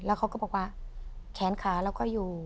แล้วเขาก็บอกว่าแขนขาเราก็อยู่